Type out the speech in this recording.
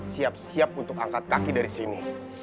siap siap untuk angkat kaki dari sini